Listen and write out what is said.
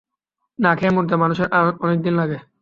না খেয়ে মরতে মানুষের অনেকদিন লাগে।